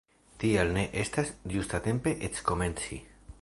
Tial ne estas ĝustatempe eĉ komenci!